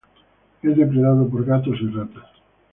Es depredado por gatos y ratas.